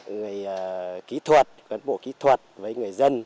người kỹ thuật cán bộ kỹ thuật với người dân